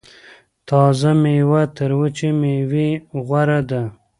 تازه میوه تر وچې میوې غوره ده.